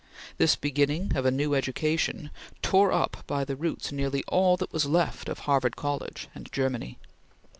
This beginning of a new education tore up by the roots nearly all that was left of Harvard College and Germany.